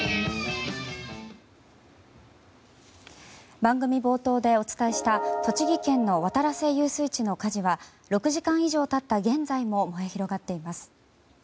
番組冒頭でお伝えした栃木県の渡良瀬遊水地の火事は６時間以上経った現在も燃え広がっています。